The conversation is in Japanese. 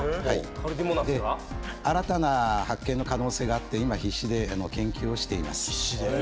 新たな発見の可能性があって今、必死で研究をしています。